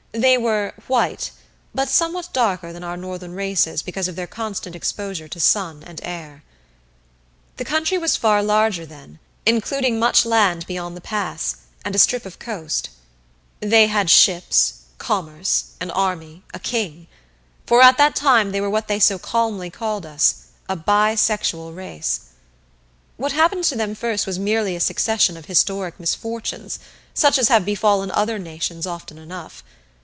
They were "white," but somewhat darker than our northern races because of their constant exposure to sun and air. The country was far larger then, including much land beyond the pass, and a strip of coast. They had ships, commerce, an army, a king for at that time they were what they so calmly called us a bi sexual race. What happened to them first was merely a succession of historic misfortunes such as have befallen other nations often enough.